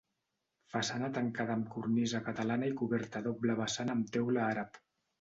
Façana tancada amb cornisa catalana i coberta a doble vessant amb teula àrab.